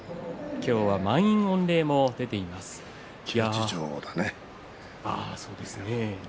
今日は満員御礼も出ています。